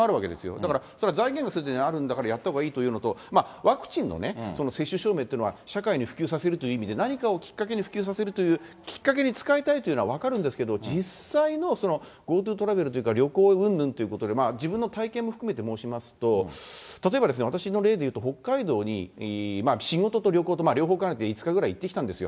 だから、それは財源がすでにあるんだから、やったほうがいいというのと、ワクチンの接種証明というのは社会に普及させるという意味で、何かをきっかけに普及させるきっかけに使いたいというのは分かるんですけど、実際のＧｏＴｏトラベルというか、旅行うんぬんということで、自分の体験も含めて申しますと、例えば、私の例でいうと、北海道に仕事と旅行と両方兼ねて、５日ぐらい行ってきたんですよ。